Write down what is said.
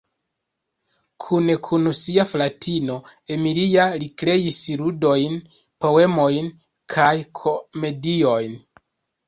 Kune kun sia fratino, Emilia, li kreis ludojn, poemojn kaj komediojn.